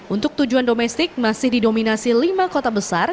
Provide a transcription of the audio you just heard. untuk tujuan domestik masih didominasi lima kota besar